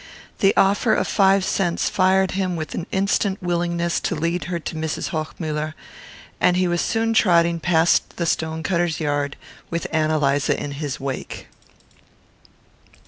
The offer of five cents fired him with an instant willingness to lead her to Mrs. Hochmuller, and he was soon trotting past the stone cutter's yard with Ann Eliza in his wake.